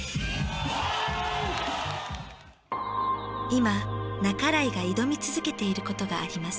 今半井が挑み続けていることがあります。